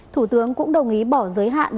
thủ tướng cũng đồng ý bỏ giới hạn